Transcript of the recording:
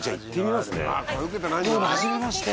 どうもはじめまして。